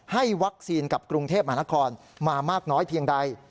ให้วัคซีนกับกรุงเทพมหานครมามากน้อยเพียงใด